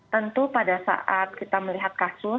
tentu pada saat kita melihat kasus